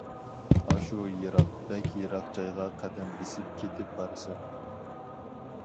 ئاشۇ يىراق، بەك يىراق جايغا قەدەم بېسىپ كېتىپ بارىسەن.